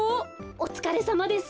おつかれさまです。